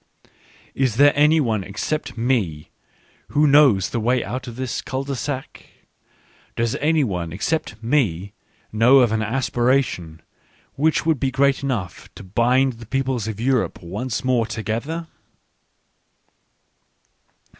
Is there any one except me who knows the way out of this cul de sac ? Does any one except me know of an aspiration which would be great enough to bind the people of Europe once more together